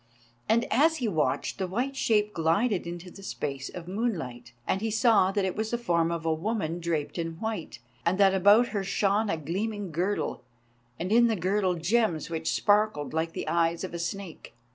And as he watched, the white shape glided into the space of moonlight, and he saw that it was the form of a woman draped in white, and that about her shone a gleaming girdle, and in the girdle gems which sparkled like the eyes of a snake.